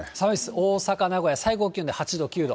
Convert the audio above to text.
大阪、名古屋、最高気温で８度、９度。